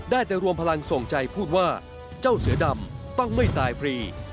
ได้แต่รวมพลังส่งใจพูดว่าเจ้าเสือดำต้องไม่ตายฟรี